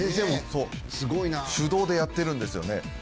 ほうすごいな手動でやってるんですよね